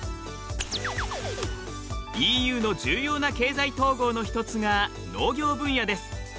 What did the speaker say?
ＥＵの重要な経済統合のひとつが農業分野です。